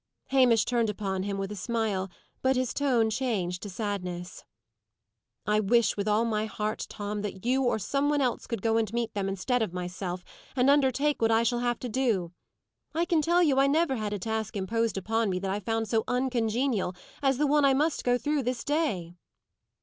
Hamish turned upon him with a smile, but his tone changed to sadness. "I wish with all my heart, Tom, that you or some one else, could go and meet them, instead of myself, and undertake what I shall have to do. I can tell you I never had a task imposed upon me that I found so uncongenial as the one I must go through this day."